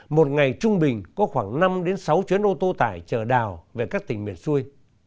một ngày trung bình có khoảng năm sáu chuyến ô tô tải chở đào về các tỉnh miền xuôi